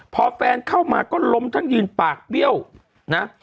พอแฟนเข้ามาก็ล้มทั้งยืนปากเบี้ยวนะ